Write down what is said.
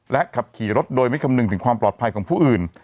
ขับขี่รถโดยไม่คำนึงถึงความปลอดภัยของผู้อื่น